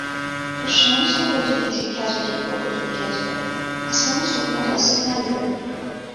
تو شانس آوردی که تیر، کجکی خورده توی کتفت! اصلن استخونات آسیب ندیده